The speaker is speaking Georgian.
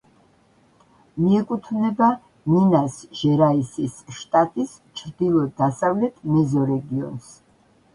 მიეკუთვნება მინას-ჟერაისის შტატის ჩრდილო-დასავლეთ მეზორეგიონს.